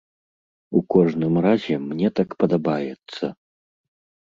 У кожным разе, мне так падабаецца.